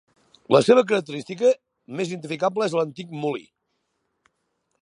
La seva característica més identificable és l'antic molí.